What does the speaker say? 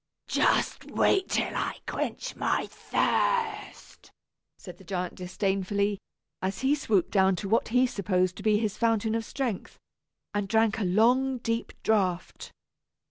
"Just wait till I quench my thirst," said the giant disdainfully, as he stooped down to what he supposed to be his fountain of strength, and drank a long, deep draught.